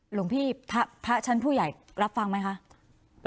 หลวงพี่พระชั้นผู้ใหญ่รับฟังไหมคะ